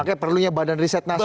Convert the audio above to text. makanya perlunya badan riset nasional